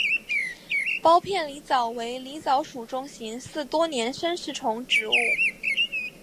苞片狸藻为狸藻属中型似多年生食虫植物。